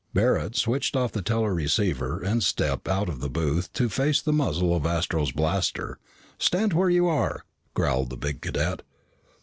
Barret switched off the teleceiver set and stepped out of the booth to face the muzzle of Astro's blaster. "Stand where you are!" growled the big cadet.